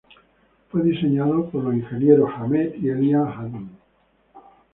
Fue diseñado por los ingenieros Ahmed y Elia Ham.